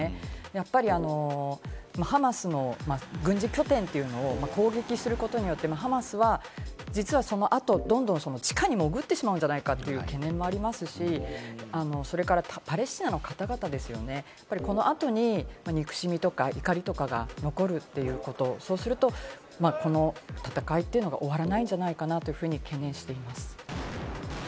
やっぱりハマスの軍事拠点というのを攻撃することによって、ハマスは実はその後、どんどん地下に潜ってしまうんじゃないかという懸念もありますし、パレスチナの方々ですね、この後に憎しみとか怒りとかが残るということ、そうすると、戦いというのが終わらないんじゃないかなと懸念しています。